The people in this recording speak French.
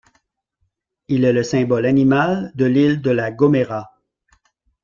Il est le symbole animal de l'île de La Gomera.